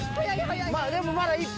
でも。